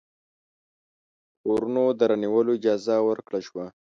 کورونو د رانیولو اجازه ورکړه شوه.